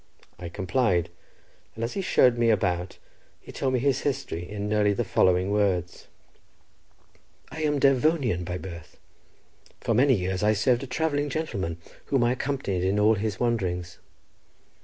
I complied, and as he showed me about he told me his history, in nearly the following words:— "I am a Devonian by birth. For many years I served a travelling gentleman, whom I accompanied in all his wanderings.